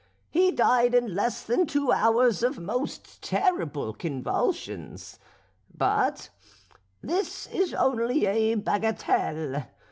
He died in less than two hours of most terrible convulsions. But this is only a bagatelle.